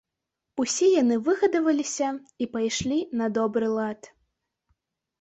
Усе яны выгадаваліся і пайшлі на добры лад.